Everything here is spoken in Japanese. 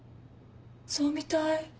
そうみたい。